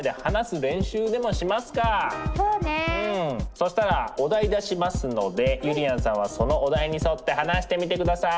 そしたらお題出しますのでゆりやんさんはそのお題に沿って話してみて下さい。